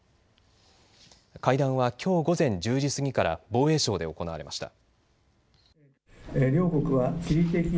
会談はきょう午前１０時過ぎから防衛省で行われました。